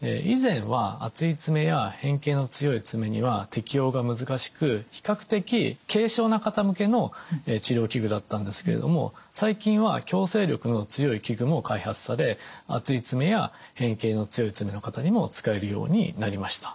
以前は厚い爪や変形の強い爪には適用が難しく比較的軽症な方向けの治療器具だったんですけれども最近は矯正力の強い器具も開発され厚い爪や変形の強い爪の方にも使えるようになりました。